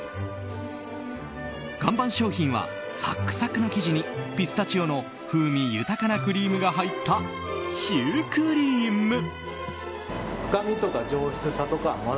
看板商品はサックサクの生地に風味豊かなクリームが入ったシュークリーム。